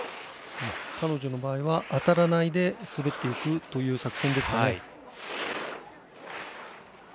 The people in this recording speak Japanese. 彼女の場合は当たらないで滑っていくという作戦ですかね。